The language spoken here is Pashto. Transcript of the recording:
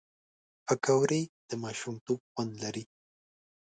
پکورې د ماشومتوب خوند لري